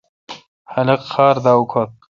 خلق خار دا اوکھا۔